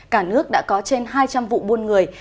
cả nước đã có trên hai trăm linh vụ buôn người